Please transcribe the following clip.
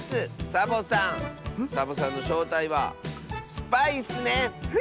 サボさんサボさんのしょうたいはスパイッスね！へ？